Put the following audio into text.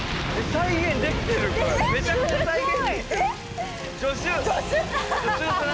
再現できてるこれ。